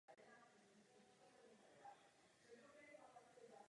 Společnost byla založena jako dceřiná společnost Rakouské severozápadní dráhy.